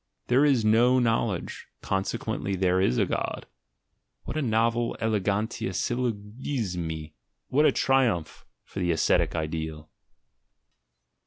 — "There is no knowledge. Conse quently there is a God"; what a novel elegantia syllo gismi! what a triumph for the ascetic ideal!